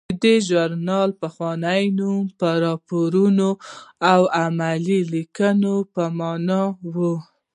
د دې ژورنال پخوانی نوم د راپورونو او علمي لیکنو په مانا و.